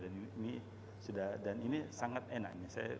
dan ini sangat enak